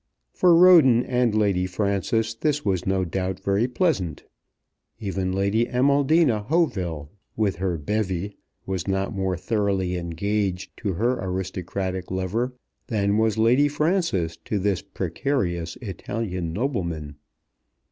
For Roden and Lady Frances this was no doubt very pleasant. Even Lady Amaldina Hauteville with her bevy was not more thoroughly engaged to her aristocratic lover than was Lady Frances to this precarious Italian nobleman.